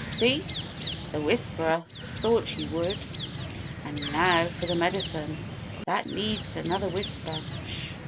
See? The 'Whisperer' thought you would!_ "_And now for the Medicine. That needs another whisper. Sh!